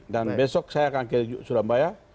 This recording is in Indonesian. dan besok saya akan ke surabaya